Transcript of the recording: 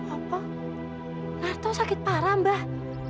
apa narto sakit parah